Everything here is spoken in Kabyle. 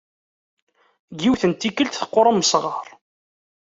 Deg yiwet n tikelt teqqur am usɣar.